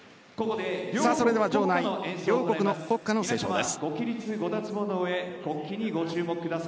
それでは場内両国の国歌の斉唱です。